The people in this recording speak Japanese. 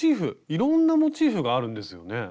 いろんなモチーフがあるんですよね。